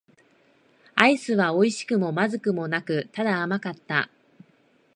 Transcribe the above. アイスは美味しくも不味くもなく、ただ甘かった。